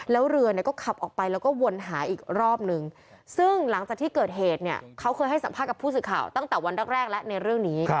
แล้วเรือเนี่ยก็ขับออกไปแล้วก็วนหาอีกรอบนึงซึ่งหลังจากที่เกิดเหตุเนี่ยเขาเคยให้สัมภาษณ์กับผู้สื่อข่าวตั้งแต่วันแรกแล้วในเรื่องนี้